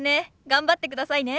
頑張ってくださいね。